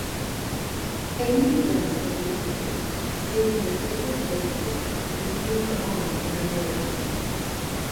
Amy begins to hallucinate, seeing disfigured faces, including her own in a mirror.